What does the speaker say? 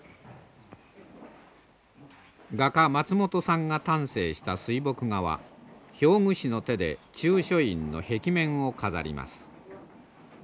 画家本さんが丹精した水墨画は表具師の手で中書院の壁面を飾ります。